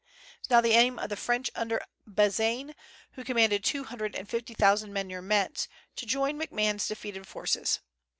It was now the aim of the French under Bazaine, who commanded two hundred and fifty thousand men near Metz, to join McMahon's defeated forces.